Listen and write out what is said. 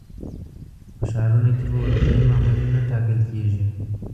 په ښارونو کې به اروپایي مامورین نه ټاکل کېږي.